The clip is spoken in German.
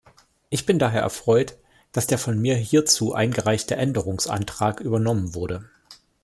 Ich bin daher erfreut, dass der von mir hierzu eingereichte Änderungsantrag übernommen wurde.